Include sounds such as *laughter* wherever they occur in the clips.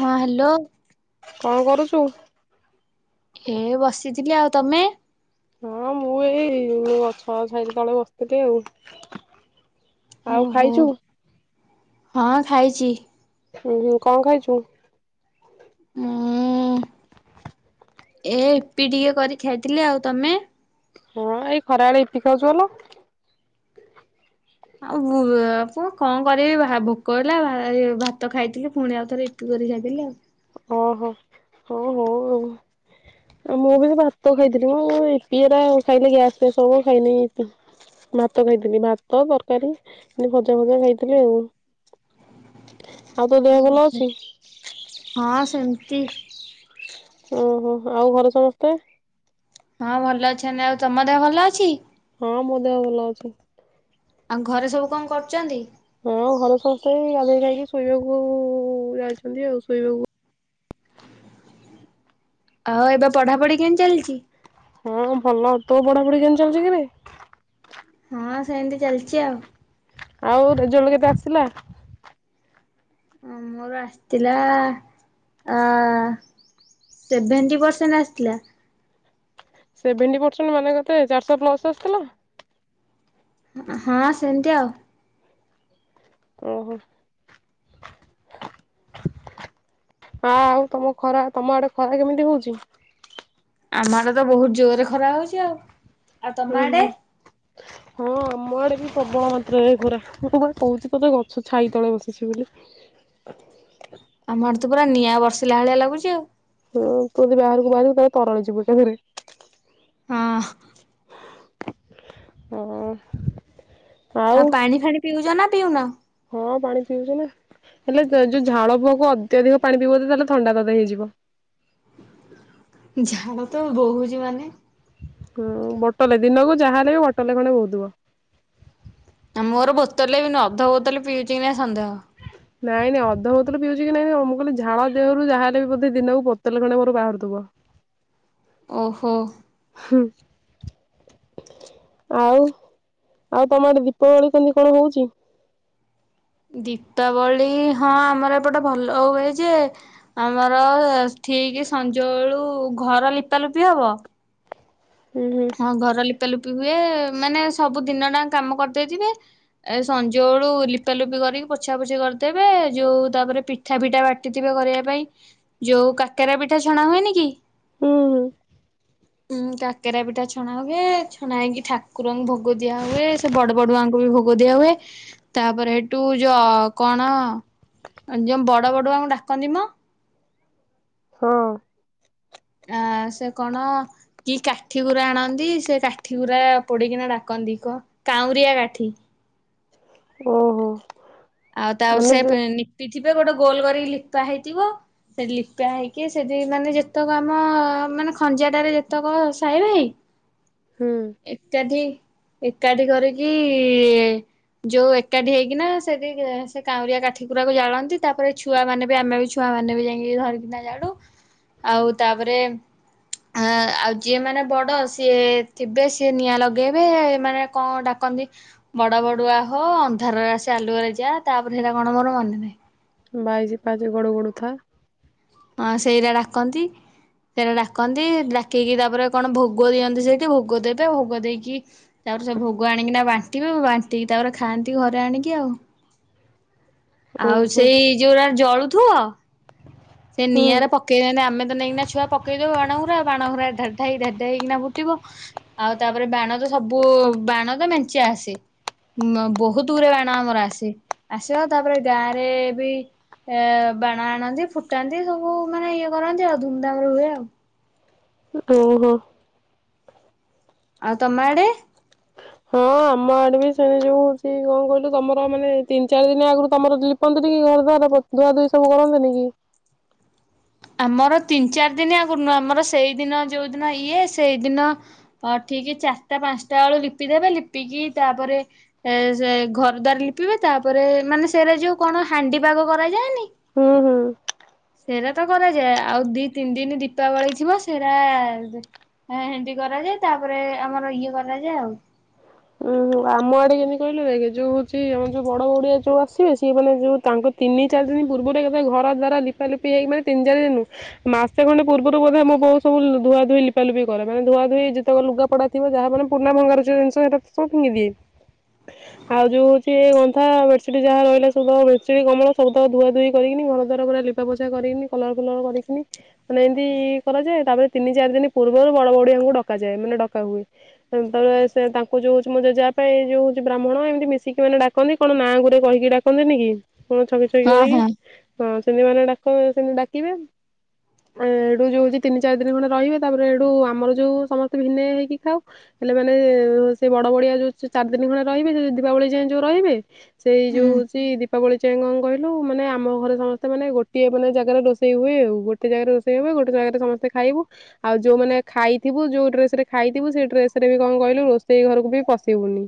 ହଁ ହ୍ୟାଲୋ କଣ କରୁଚୁ? ଏ ବସିଥିଲି ଆଉ ତମେ? ହଁ ମୁଁ ଏଇ ମୁଁ ଗଛଛାଇରେ ତଳେ ବସିଥିଲି ଆଉ। ଆଉ ଓହୋ ଖାଇଚୁ? ହଁ ଖାଇଚି। ଉଁ ହୁଁ କଣ ଖାଇଚୁ? ମୁଁ ଏ ଇପି ଟିକେ କରି ଖାଇଥିଲି ଆଉ ତମେ? ହଁ ଏଇ ଖରାବେଳେ ଇପି ଖାଉଚୁ ଭଲ। ଆଉ ବୁ-ପୁ କଣ କରିବି ଭା-ଭୋକ ହେଲା ଭାଏ-ଭାତ ଖାଇଥିଲି ଫୁଣି ଆଉଥରେ ଇ କରି ଖାଇଦେଲି ଆଉ। ଓହୋ ହଉ ହଉ। ଆଉ। ଆଉ ମୁଁ ବି ସେ ଭାତ ଖାଇଥିଲି ମୁ ଇପୀ ହେରା ଖାଇଲେ ଗ୍ୟାସ ଫ୍ୟାସ ହବ ଖାଏନି ଇପି। ଭାତ ଖାଇଥିଲି ଭାତ ତରକାରୀ ଏମତି ଭଜା ଭଜା ଖାଇଥିଲି ଆଉ। ଆଉ ତୋ ଦେହ ଭଲ ଅଛି? ହଁ ସେମିତି। ଓହୋ ଆଉ ଘରେ ସମସ୍ତେ? ହଁ ଭଲ ଅଛନ୍ତି ଆଉ ତମ ଦେହ ଭଲ ଅଛି? ହଁ ମୋ ଦେହ ଭଲ ଅଛି। ଆଉ ଘରେ ସବୁ କଣ କରୁଚନ୍ତି? ହଁ ଆଉ ଘରେ ସମସ୍ତେ ଗାଧେଇ ଖାଇକି ଶୋଇବାକୁ ଯାଇଚନ୍ତି ଆଉ ଶୋଇବାକୁ ଆଉ ଏବେ ପଢାପଢି କେମିତି ଚାଲିଚି? ହଁ ଭଲ, ତୋ ପଢାପଢି କେମିତି ଚାଲଚି କିରେ? ହଁ ସେନ୍ତି ଚାଲିଚି ଆଉ। ଆଉ ରେଜଲ୍ଟ କେତେ ଆସିଲା? ଅଁ ମୋର ଆସିଥିଲା ଆ ସେଭେଣ୍ଟି ପରସେଣ୍ଟ ଆସିଥିଲା। ସେଭେଣ୍ଟି ପରସେଣ୍ଟ ମାନେ କତେ ଚାରିଶହ ପ୍ଲସ୍ ଆସିଥିଲା? ହଁ ସେମିତି ଆଉ। ଓହୋ। ଆ ଆଉ ତମ ଖରା ତମଆଡେ ଖରା କେମିତି ହଉଚି? ଆମ ଆଡେ ତ ବହୁତ୍ ଜୋରରେ ଖରା ହଉଚି ଆଉ। ଆଉ ତମ ଉଁ ଆଡେ? ହୁଁ। ହଁ ଆମ ଆଡେ ବି ପ୍ରବଳ ମାତ୍ରାରେ ଘୋରା। ମୁଁ ପା କହୁଚି ତୋତେ ଗଛ ଛାଇ ତଳେ ବସିଚି ବୋଲି। ଆମ ଆଡେ ତ ପୁରା ନିଆଁ ବର୍ଷିଲା ଭଳିଆ ଲାଗୁଛି ଆଉ। ହଁ ତୁ ଯଦି ବାହାରକୁ ବାହାରିବୁ ତାଲେ ତରଳି ଯିବୁ ଏକାଥରେ। ହଁ। ଅ। ଆଉ ପାଣି ଫାଣି ପିଉଛ ନା ପିଉନ? ହଁ ପାଣି ପିଉଛି ନା ହେଲେ ଯୋଉ ଝାଳ ବୁହାକୁ ଅତ୍ୟଧିକ ପାଣି ପିଇବୁ ଯଦି ତାହେଲେ ଥଣ୍ଡା ତତେ ହେଇଯିବ। ଝାଳ ତ ବୋହୁଛି ମାନେ ହୁ ବୋଟଲେ ଦିନକୁ ଯାହା ହେଲେ ବୋଟଲେ ଖଣ୍ଡେ ବହୁଥିବ। ଆଉ ମୋର ବୋତଲ ବି ନୁହଁ ଅଧ ବୋତଲ ପିଉଛି କି ନାଇ ସନ୍ଦେହ। ହ ନାଇଁ ନାଇଁ ଅଧ ବୋତଲ ପିଉଛି କି ନାଇଁ ମୁଁ କହିଲି ଝାଳ ଦେହରୁ ଯହା ହେଲେ ବି ବୋଧେ ଦିନକୁ ବୋଟାଲେ ଖଣ୍ଡେ ମୋର ବାହାରୁଥିବ। ଓହୋ। ହୁଁ। ଆଉ ଆଉ ତମ ଆଡେ ଦୀପାବଳି କେମିତି କଣ ହଉଛି? ଦୀପାବଳି ହଁ ଆମର ଏପଟେ ଭଲ ହୁଏ ଯେ ଆମର ଠିକ ସଞ୍ଜବେଳୁ ଘର ଲିପା ଲୁପି ହବ। ହୁଁ ହୁଁ। ହଁ ଘର ଲିପା ଲୁପି ହୁଏ ମାନେ ସବୁ ଦିନ ଟା ଆଙ୍କ କାମ କରିଦେଇଥିବେ। ଏ ସଞ୍ଜ ବଳୁ ଲିପା ଲୁପି କରିକି ପୋଛା ପୋଛି କରିଦେବେ ଯୋଉ ତାପରେ ପି ମିିଠା ପିଠା ବାଟିଥିବେ କରିବା ପାଇଁ ଯୋଉ କାକେରା ପିଠା ଛଣା ହୁଏନି କି? ହୁଁ। ହୁଁ କା କାକରା ପିଠା ଛଣା ହୁଏ ଛଣା ହେଇକି ଠାକୁରଙ୍କୁ ଭୋଗ ଦିଆ ହୁଏ ସେ ବଡ ବଡଆଙ୍କୁ ବି ଭୋଗ ଦିଆ ହୁଏ। ତାପରେ ହେଠୁ ଯୋ କଣ ଯୋଉ ବଡ ବଡୁଆଙ୍କୁ ଡାକନ୍ତି ମ। ହଁ। ଆ ସେ କଣ? କି କାଠି ଗୁରା ଆଣନ୍ତି ସେ କାଠି ଗୁରା ପୋଡିକିନା ଡାକନ୍ତି କଣ କାଉଁରିଆ କାଠି। ଓହୋ। ଆଉ ତାପରେ ମାନେ ଯୋଉ ସେ ନିପିଥିବେ ଗୋଟେ ଗୋଲ କରିକି ଲିପା ହେଇଥିବ। ସେ ଲିପା ହେଇକି ସେଠି ମାନେ ଯେତେକ ଆମ ମାନେ ଖଞ୍ଜାଟାରେ ଯେତେକ ସାଇ ଭାଇ ହୁଁ। ଏକାଠି ଏକାଠି କରିକି ଯୋଉ ଏକାଠି ହେଇକିନା ସେଠି ସେ କାଉରିଆ କାଠିଗୁରାକୁ ଜାଳନ୍ତି ତାପରେ ଛୁଆ ମାନେ ବି ଆମେ ବି ଛୁଆ ମାନେ ବି ଯାଇକି ଧରିକିନା ଜାଳୁ। ଆଉ ତାପରେ ଆ ଆଉ ଯିଏ ମାନେ ବଡ ସିଏ ଥିବେ ସିଏ ନିଆଁ ଲଗେଇବେ ଏମାନୋ କଣ ଡାକନ୍ତି। ବଡ ବଡୁଆ ହୋ ଅନ୍ଧାରରେ ଆସି ଆଲୁଅରେ ଯା ତାପରେ ହେତା କଣ ମୋର ମନେ ନାହିଁ। ବାଇଶ ପାଅଚରେ ଗୋଡ ଗୋଡାଉଥା। ହଁ ସେଇରା ଡାକନ୍ତି। ସେରା ଡାକନ୍ତି ଡାକିକି ତାପରେ କଣ ଭୋଗ ଦିଅନ୍ତି ସେଇଠି ଭୋଗ ଦେବେ ଭୋଗ ଦେଇକି ତାପରେ ସେ ଭୋଗ ଆଣିକି ନା ବାଣ୍ଟିବେ ବାଣ୍ଟିକି ତାପରେ ଖାଆନ୍ତି ଘରେ ଆଣିକି ଆଉ। ଉଁ ଆଉ ହୁଁ ସେଇ ଯୋଉାରା ଜଳୁଥିବ। ସେ ହୁଁ ନିଆଁ ରେ ପକେଇଦେନେ ଆମେ ତ ନେଇକି ଛୁଆ ପକେଇ ଦଉ ବାଣଗୁରା ଆଉ ବାଣଗୁରା ଢାଇ ଢାଇ ହେଇକିନା ଫୁଟିବ ଆଉ ତାପରେ ବାଣ ତ ସବୁ ବାଣ ତ ମେଞ୍ଚେ ଆସେ। ବହୁତ ଗୁରେ ବାଣ ଆମର ଆସେ ଆସିବ ତାପରେ ଗାଁରେ ବି ଏ ବାଣ ଆଣନ୍ତି ଫୁଟାନ୍ତି ସବୁ ମାନେ ଇଏ କରନ୍ତି ଆଉ ଧୁମଧାମ ରେ ହୁଏ ଆଉ। ଓହୋ। ଆଉ ତମ ଆଡେ? ହଁ ଆମ ଆଡେ ବି ସେଣେ ଯୋଉ ହଉଚି କଣ କହିଲ ତମର ମାନେ ତିନି ଚାରି ଦିନ ଆଗରୁ ତମର ଲି ପନ୍ତିନି କି ଘର ଦ୍ୱାର ଧୁଆ ଧୋଇ ସବୁ କରନ୍ତିନି କି? ଆମର ତିନି ଚାରି ଦିନ ଆଗରୁ ନୁହଁ ଆମର ସେଇଦିନ ଯଉଦିନ ଇଏ ସେଇଦିନ ହଁ ଠିକ ଚାରିଟା ପାଞ୍ଚଟା ବେଳୁ ଲିପି ଦେବେ ଲିପିକି ତାପରେ ଏ ସେ ଘର ଦ୍ୱାର ଲିପିବେ ତାପରେ ମାନେ ସେରା ଯୋଉ କଣ ହାଣ୍ଡି ପାଗ କରାଯାଏନି? ହୁଁ ହୁଁ। ସେରା ତ କରାଯାଏ ଆଉ ଦି ତିନି ଦିନ ଦୀପାବଳି ଥିବ ସେରା ହେରା ହାଣ୍ଡି କରାଯାଏ ତାପରେ ଆମର ଇଏ କରାଯାଏ ଆଉ। ହଁ ଆମ ଆଡେ କେମିତି କହିଲୁ ଦେଖେ ଯୋଉ ହଉଚି ଆମ ଯୋଉ ବଡ ଭଉଣୀ ଯୋଉ ଆସିବେ ସେଇମାନେ ଯୁ ତାଙ୍କ ତିନି ଚାରି ଦିନ ପୂର୍ବରୁ ଏକା ଥରେ ଘର ଦ୍ୱାରା ଲିପା ଲିପି ହେଇକି ମାନ ତିନି ଚାରି ଦିନି ମାସେ ଖଣ୍ଡେ ପୂର୍ବରୁ ବୋଧେ ମୋ ବୋଉ ସବୁ ଧୁଆ ଧୁଇ ଲିପାଲିପି କରେ ମାନେ ଧୁଆ ଧୁଇ ଯେତକ ଲୁଗାପଟା ଥିବ ଯାହା ମାନେ ପୁରୁଣା ଭଙ୍ଗାରୁଜା ଜିନିଷ ଏରା ତ ସବୁ ଫିଙ୍ଗିଦିଏ। ଆଉ ଯୋଉ ହଉଚି ଗନ୍ଥା ବେଡ଼ ସିଟ୍ ଯାହା ରହିଲା ସବୁତକ ବେଡସିଟ୍ କମଳ ଶବୁତକ ଧୁଆ ଧୋଇକରିକିନି ଘର ଦ୍ୱାର ପୁରା ଲି ବ୍ୟବସାୟ କରିକିନି କଲର ଫଲର କରିକିନି ମାନେ ଏମିତି କରାଯାଏ ତାପରେ ତିନି ଚାରି ଦିନ ପୂର୍ବରୁ ବଡ ବଡିଆଙ୍କୁ ଡକାଯାଏ ମାନେ ଡକା ହୁଏ। ସେତବେଳେ ସେ ତାଙ୍କୁ ଯୁ ମୋ ଜେଜେ ଜେଜେବାପା ଏ ଯୋ ବ୍ରାହ୍ମଣ ଏମିତି ମିଶିକି ମାନେଡାକନ୍ତି କଣ ନାଁ ଗୁରେ କହିକି ଡାକନ୍ତିନି କି? କଣ ଛକି ଛକି କରିକି ହଁ ସେମିତି ମାନେ ଡାକ ସେମିତି ଡାକିବେ। ଏଇଠୁ ଯୋଉ ହଉଚି ତିନି ଚାରି ଦିନ ଖଣ୍ଡେ ରହିବେ ତାପରେ ହେଇଠୁ ଆମର ଯୋଉ ସମସ୍ତେ ଭିନେ ହେଇକି ଖାଉ ହେଲେ ମାନେ ସେ ବଡ ବଡିଆ ଯୋଉ ଚାରି ଦିନ ଖଣ୍ଡେ ରହିବେ ଦୀପାବଳି ଯାଏଁ ଯୋଉ ରହିବେ ସେଇ ଯଉ ହୁଁ। ହଉଚି ଦୀପାବଳି ଯାଏଁ କଣ କହିଲୁ ମାନେ ଆମ ଘରେ ସମସ୍ତେ ମାନେ ଗୋଟିଏ ମାନେ ଜାଗାରେ ରୋଷେ ରୋଷେଇ ହୁଏ ଗୋଟେ ଜାଗାରେ ରୋଷେଇ ହୁଏ ଗୋଟେ ଜାଗାରେ ସମସ୍ତେ ଖାଇବୁ। ଆଉ ଯୋଉମାନେ ଖାଇଥିବୁ ଯୁ ଡ୍ରେସ୍ ରେ ଖାଇଥିବୁ ସେଇ ଡ୍ରେସରେ ବି କଣ କହିଲୁ ରୋଷ୍ ରୋଷେଇ ଘରକୁ ବି ପଶିବୁନି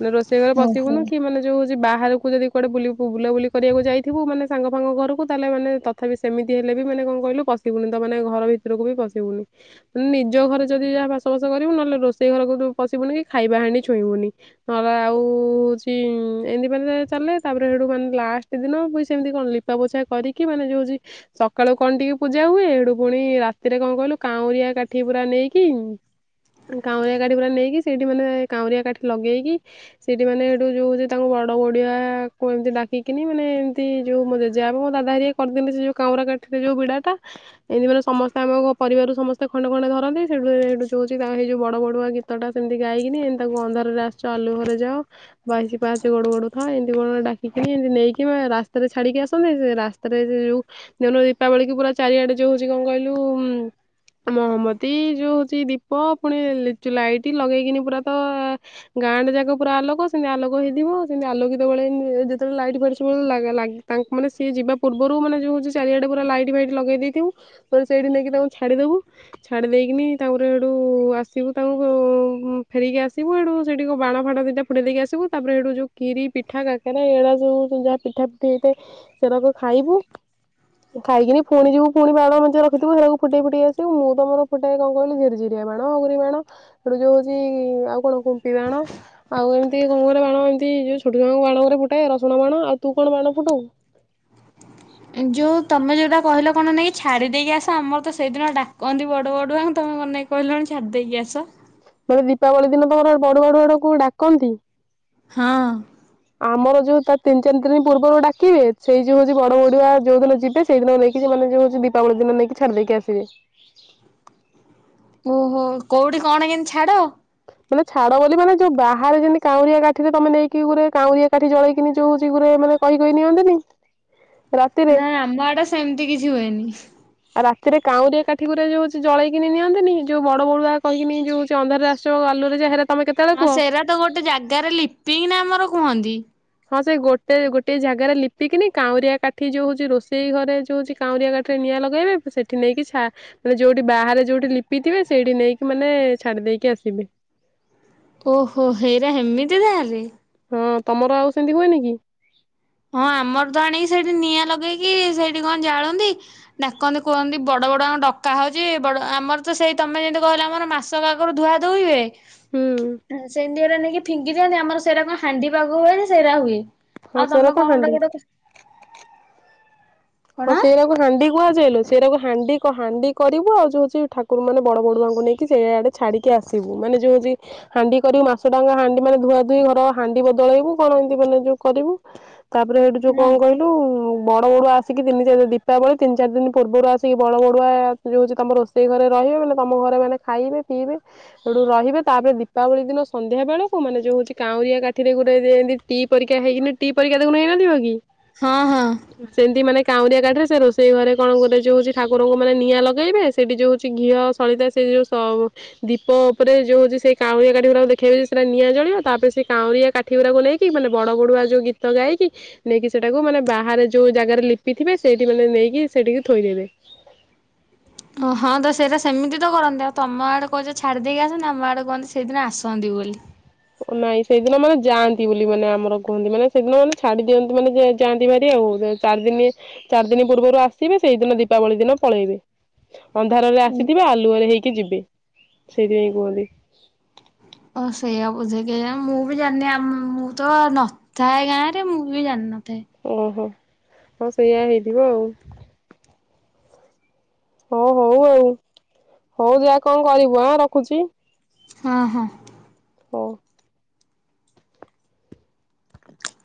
ମାନେ ରୋଷେଇ ଘରେ ପଶିବୁନି ଓହୋ। କି ମାନେ ଯୁ ବାହାରକୁ ଯଦି କୁଆଡେବୁଲି ବୁଲାବୁଲି କରିବାକୁ ଯାଇଥିବୁ ମାନେ ସାଙ୍ଗ ଫାଙ୍ଗ ଘରକୁ ତାହେଲେ ମାନେ ତ ତଥାପି ସେମିତି ହେଲେ ବି ମାନେ କଣ କହିଲୁ ପଶିବୁନି ତ ମାନେ ଘର ଭିତକୁ ବି ପଶିବୁନି। ନିଜ ଘରେ ଯଦି ଯାହା ଭାସାବାସ କରିବୁ ନହେଲେ ରୋଷେଇ ଘରକୁ ପଶିବୁନି କି ଖାଇବା ହାଡି ଛଇଁବୁନି। ନହେଲେ ଆଉ ହଉଚି ଏମିତି ମାନେ ଚାଲେ ତାପରେ ସେଠୁ ମାନେ ଲାଷ୍ଟ ସେ ଦିନ ପୁଇ ସେମିତି କଣ ଲିପା ପୋଛା କରିକି ମାନେ ଯୋ ଜି ସକାଳୁ କଣ ଟିକେ ପୂଜା ହୁଏ ଏଠୁ ପୁଣି ରାତିରେ କଣ କହିଲୁ କାଉଁରିଆ କାଠି ପୁରା ନେଇକି କାଉଁରିଆ କାଠି ପୁରା ନେଇକି ସେଇଠି ମାନେ କାଁଉରିଆ କାଠି ଲଗେଇକି ସେଇଠି ମାନେ ଏଠୁ ଯୁ ତାଙ୍କ ବଡ ବଡିଆକୁ ଏମିତି ଡାକିକିନି ମାନେ ଏମିତି ଯୋଉ ମ ଜା ବଉ ମୋ ଦାଦା ହାରିକା କରିଦିଅନ୍ତି ସେ ଯୋଉ କାଉଁରିଆ କାଠୀରେ ଯୋଉ ବିଡା ଟା ଏମିତି ମାନେ ସମସ୍ତେମଙ୍କ ପରିବାରରୁ ସମସ୍ତେ ଖଣ୍ଡେ ଖଣ୍ଡେ ଧରନ୍ତି ସେଠୁ ହେଠୁ ହଉଚି ତା ହେଇ ଯୋଉ ବଡ ବ ନୂଆ ଗୀତ ଟା ସେମିତି ଗାଇକିନି ଏମିତି ତାକୁ ଅନ୍ଧାରରେ ଆସିଚ ଆଲୁଅ ଘରେ ଯାଅ ବାଇଶି ପାହଚେ ଗୋଡୁ ଗଡୁ ଥା ଏମିତି କଁ ଡାକିକି ଏମି ନେଇକି ରାସ୍ତାରେ ଛାଡିକି ଆସନ୍ତି ରାସ୍ ତାରେ ଯୋଉ ଯୋ ଦିନ ଦୀପାବଳିକୁ ପୁରା ଚାରିଆଡେ ଯୋ ହଉଚି କଣ କହିଲୁ ମହମବତୀ ଯୁ ହଉଚି ଦୀପ ପୁଣି ଲିଚୁ ଲାଇଟି ଲଗେଇକିନି ପୁରା ତ ଗାଁଣ୍ଡେ ଯାକ ପୁରା ଆଲୋକ ସେମିତି ଆଲୋକ ହେଇଥିବ ସେମିତି ଆଲୋକିତ ବେଳେ ଯେତବେଳେ ଲାଇଟ୍ ଫାଇଟ୍ ସବୁ ଲା ଲା ତାଙ୍କ ମାନେ ସିଏ ଯିବା ପୂର୍ବରୁ ମାନେ ଯଉ ହଉଚି ଚାରିଆଡେ ପୁରା ଲାଇ *inaudible* ଲଗେଇ ଦେଇଥିବୁ ସେଇଠି ନେଇକି ତାକୁ ଛାଡିଦବୁ। ଛାଡି ଦେଇକିନି ତାପରେ ହେଠୁ ଆସିବୁ ତାଙ୍କୁ ଫେରିକି ଆସିବୁ ହେଠୁ ସେଠିକଣ ବାଣ ଫାଣ ଦିଟା ଫୁଟେଇ ଦେଇକି ଆସିବୁ ତାପରେ ହେଇଠୁ ଯୁ ଖିରି ପିଠା କା କାହିଁକିନା ଏଇଡା ଯୋଉ ଯାହା ପିଠା ପିଠି ହେଇଥାଏ ସେରାକୁ ଖାଇବୁ ଖାଇକିନି ପୁଣି ପୁଣି ବାଣ ମେଞ୍ଚେ ରଖିଥିବୁ ସେଇରାକୁ ଫୁଟେଇ ଫୁଟେଇ ଆସିବୁ ମୁଁ ତ ମୋର ଫୁଟାଏ କଣ କହିଲୁ ଝୁରୁଝୁରିଆ ବାଣହଗୁରି ବାଣ ସେଇଟା ଯୋଉ ହଉଛି ଆଉ କଣ କୁମ୍ପି ବାଣ ଆଉ ଏମିତି କଣ କରେ ବାଣ ଏମତି ଯୋଉ ଛୋଟ ବାଣ ଗୁରା ଫୁଟାଏ ରସୁଣ ବାଣ ଆଉ ତୁ କଣ ବାଣ ଫୁଟୁ ଯେଉଁ ତମେ ଯଉଟା କହିଲ କଣ ନେଇକି ଛାଡ଼ି ଦେଇକି ଆସ ଆମର ତ ସେଇଦିନ ଡାକନ୍ତି ବଡ଼ ବଡ଼ୁଆଙ୍କୁ ତମେ କଣ ନେଇକ କହିଲଣି ଛାଡି ଦେଇକି ଆସ। ସେଇ ଦୀପାବଳି ଦିନ ତମର ବଡ ବଡୁଆକୁ ଡାକନ୍ତି। ହଁ ଆମର ଯୋଉ ତା ତିନି ଚାରି ଦିନ ପୂର୍ବରୁ ଡାକିବେ ସେଇ ଯୋଉ ହଉଛି ବଡ ବଡୁଆ ଯୋଉ ଦିନ ଯିବେ ସେଇଦିନ ନେଇକି ସେମାନେ ଯଉ ଦୀପାବଳି ଦିନ ନେଇକି ଛାଡି ଦେଇକି ଆସିବେ। ଓହୋ କୋଉଠି କଣ କେମତି ଛାଡ? ମାନେ ଛାଡ ବୋଲି ମାନେ ଯଉ ବାହାରେ ଯେମିତି କାଉଁରିଆ କାଠିରେ ତମେ ନେଇକି ଗୁରେ କାଉଁରିଆ କାଠି ଜଳେଇକିନି ଯଉ ଜିଗିରେ ମାନେ କହି କହି ନିଅନ୍ତିନି ରାତିରେ ନା ଆମ ଆଡେ ସେମିତି କିଛି ହୁଏନି। ଆଉ ରାତିରେ କାଉଁରିଆ କାଠିଗୁରା ଯଉ ଜଳେଇକିନି ନିଅନ୍ତିନି ଯୋଉ ବଡ ବଡୁଆ କହିକିନି ଯଉ ଅନ୍ଧାରରେ ଆସ ଆଲୁଅରେ ଯାଅ ହେରା ତମେ କେତେବେଳେ ହଁ କୁହ? ସେରା ତ ଗୋଟେ ଜାଗାରେ ଲିପିକି ନା ଆମର କୁହନ୍ତି। ହଁ ସେ ଗୋଟେ ଗୋଟେ ଜାଗାରେ ଲିପିକିନି କାଉଁରିଆ କାଠି ଯୋଉ ହଉଛି ରୋଷେଇ ଘରେ ଯୋଉଛି କାଉଁରିଆ ଗାଠିରେ ନିଆଁ ଲଗାଇବେ ସେଠି ନେଇକି ଛା ମାନେ ଯୋଉଠି ବାହାରେ ଯୋଉଠି ଲିପିଥିବେ ସେଇଠି ନେଇକି ମାନେ ଛାଡି ଦେଇକି ଆସିବେ। ଓହୋ ହେଇରା ହେମିତି ତାହେଲେ ହଁ ତମର ଆଉ ସେମିତି ହୁଏନି କି? ହଁ ଆମର ତ ଆଣିକି ସେଇଠି ନିଆଁ ଲଗେଇକି ସେଇଠି କଣ ଜାଳନ୍ତି। ଡାକନ୍ତି କୁହନ୍ତି ବଡ ବଡୁଆଙ୍କୁ ଡକା ହଉଛି ବଡ ଆମର ତ ସେଇ ତମେ ଯେମିତି କହିଲ ଆମର ମାସ କ ଆଗରୁ ଧୁଆ ଧୁଇ ହୁଏ। ହୁଁ ସେମିତି ଗୁରା ନେଇକି ଫିଙ୍ଗି ଦିଅନ୍ତି ଆମର ସେଇରା କଣ ହାଣ୍ଡି ପାଗ ହୁଏ ନା ସେଇରା ହୁଏ। ହଁ ସେରା ତ ହାଣ୍ଡି ଅ କଣ ହଁ ସେଇରା ହାଣ୍ଡି କୁହାଯାଏ ଲୋ ସେଇରାକୁ ହାଣ୍ଡି ହାଣ୍ଡି କରିବୁ ଆଉ ଯୋଉଛି ଠାକୁର ମାନେ ବଡ ବଡୁଆଙ୍କୁ ନେଇକି ସେଇଆଡେ ଛାଡ଼ିକି ଆସିବୁ ମାନେ ଯେଉଁ ହଉଚି ହାଣ୍ଡି କରିବୁ ମାସ ଟାଙ୍କା ହାଣ୍ଡି ମାନେ ଧୁଆ ଧୋଇ ଘର ହାଣ୍ଡି ବଦଳେଇବୁ କଣ ଏମିତି ମାନେ ଯୋଉ କରିବୁ ତାପରେ ସେଇଠୁ ଯୋଉ ହଁ। କଣ କହିଲୁ ବଡ଼ ବଡୁଆ ଆସ ଆସିକି ତିନିଚାରି ଦୀପାବଳି ତିନି ଚାରିି ଦିନ ପୂର୍ବରୁ ଆସିକି ବଡ଼ ବଡ଼ୁଆ ଯଉ ହଉଛି ତମ ରୋଷେଇ ଘରେ ରହିବେ ମାନେ ତମ ଘରେ ମାନେ ଖାଇବେ, ପିଇବେ ସେଇଠୁ ରହିବେ ତାପରେ ଦୀପାବଳି ଦିନ ସନ୍ଧ୍ୟା ବେଳକୁ ମାନେ ଯଉ କାଉରିଆ କାଠିରେ ଗୋଟେ ଦିଏନ୍ତି ଟି ପରୀକ୍ଷା ହେଇକି ନି ଟି ପରୀକ୍ଷା ତାକୁ ନେଇନଥିବ କି? ହଁ ହଁ ସେମିତି ମାନେ କାଉଁରିଆ କାଠରେ ସେ ରୋଷେଇ ଘରେ କଣ ଗୋଟେ ଯଉଁ ହଉଛି ଠାକୁରଙ୍କୁ ମାନେ ନିଆଁ ଲଗାଇବେ ସେଠି ଯେଉଁଅଛି ଘିଅ, ସଳିତା ସେ ଯେଉଁ ତ ଦୀପ ଉପରେ ଯଉ ସେ କାଉଁଆ କାଠି ଗୁଡା ଦେଖେଇ ସେଟା ନିଆଁ ଜଳିବ ତାପରେ ସେଇ କାଉଁରିଆ କା ଠି ଗୁରାକୁ ନେଇକି ମାନେ ବଡ ବଡୁଆ ଯୋଉ ଗୀତ ଗାଇକି ନେଇକି ସେଟାକୁ ମାନେ ବାହାରେ ଯୋଉ ଜାଗାରେ ଲି ପିଥିବ ସେଇଠି ମାନେ ନେଇକି ସେଇଠିକି ଥୋଇଦେବେ ହଁ ତ ସେଇଟା ସେମିତି ତ କରନ୍ତି ଆଉ ତମ ଆଡ଼େ କହୁଛ ଛାଡ଼ିଦେଇକି ଆସନ୍ତି ଆମ ଆଡ଼େ କୁହନ୍ତି ସେଇଦିନ ଆସନ୍ତି ବୋଲି ନାଇଁ ସେଇଦିନ ମାନେ ଯାଆନ୍ତି ବୋଲି ମାନେ ଆମର କୁହନ୍ତି ମାନେ ସେଦିନ ମାନେ ଛାଡି ଦିଅନ୍ତି ମାନେ ଯାଆନ୍ତି ଭାରି ଆଉ। ଚାର୍ ଦିନି, ଚାରି ଦିନି ପୂର୍ବରୁ ଆସିବେ। ସେଇଦିନ ଦୀପାବଳି ଦିନ ପଳେଇବେ। ଅନ୍ଧାରରେ ଆସିଥିବେ ଆଲୁଅରେ ହେଇକି ଯିବେ, ସେଇଥିପାଇଁ କୁହନ୍ତି। ଓ ସେଇଆ ବୁଝେକେଆଣି, ମୁଁ ବି ଜାଣିନି ମୁଁ ତ ନ ଥାଏ ଗାଁ ରେ ମୁଁ ବି ଜାଣିନଥାଏ। ଓହୋ ହଉ ସେଇଆ ହେଇଯିବ ଆଉ। ହଉ ହଉ ଆଉ ହଉ ଯାହା କଣ କରିବୁ ଆଁ ରଖୁଛି। ହଁ- ହଁ। ହଁ। ଆଛା *inaudible*